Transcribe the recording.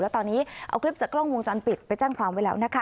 แล้วตอนนี้เอาคลิปจากกล้องวงจรปิดไปแจ้งความไว้แล้วนะคะ